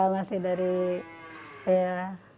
masih dari ya